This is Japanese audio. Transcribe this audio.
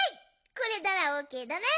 これならオーケーだね。